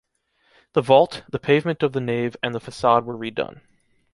The vault, the pavement of the nave and the facade were redone.